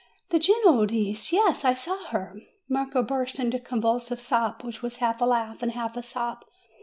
"The Genoese? Yes; I saw her." Marco burst into a convulsive sob, which was half a laugh and half a sob.